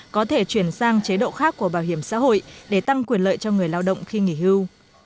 có thể chuyển sang chế độ khác của bảo hiểm xã hội để tăng quyền lợi cho người lao động khi nghỉ hưu